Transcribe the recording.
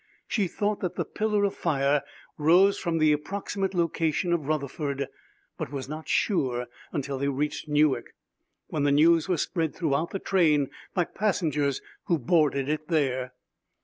She thought that the pillar of fire rose from the approximate location of Rutherford, but was not sure until they reached Newark, when the news was spread throughout the train by passengers who boarded it there.